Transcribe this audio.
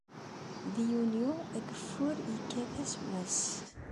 Di yunyu, ageffur ikkat asewwas.